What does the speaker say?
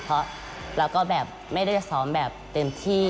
เพราะเราก็แบบไม่ได้จะซ้อมแบบเต็มที่